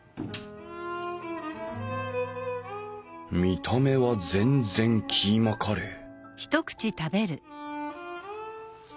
見た目は全然キーマカレー